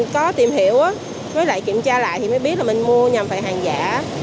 có tìm hiểu với lại kiểm tra lại thì mới biết là mình mua nhằm phải hàng giả